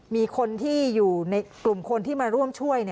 มีคนที่อยู่ในกลุ่มคนที่มาร่วมช่วย